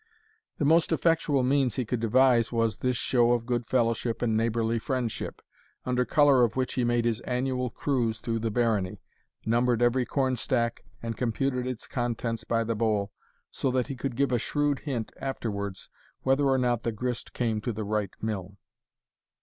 The most effectual means he could devise was this show of good fellowship and neighbourly friendship, under colour of which he made his annual cruise through the barony numbered every corn stack, and computed its contents by the boll, so that he could give a shrewd hint afterwards whether or not the grist came to the right mill.